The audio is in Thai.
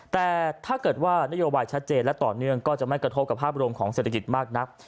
แต่ถ้าเกิดว่านโยบายชัดเจนและต่อเนื่องก็จะไม่กระทบกับภาพรวมของเศรษฐกิจมากนัก